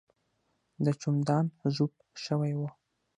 د چمدان زپ شوی و.